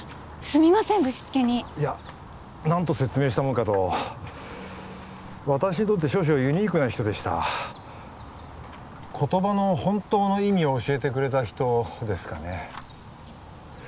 すみませんぶしつけにいや何と説明したものかと私にとって少々ユニークな人でした言葉の本当の意味を教えてくれた人ですかね